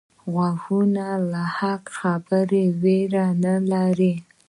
غوږونه له حق خبرې ویره نه لري